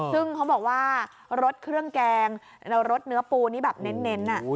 ซึ่งเขาบอกว่ารสเครื่องแกงแล้วรสเนื้อปูนี่แบบเน้น